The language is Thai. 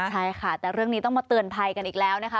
ใช่ค่ะแต่เรื่องนี้ต้องมาเตือนภัยกันอีกแล้วนะคะ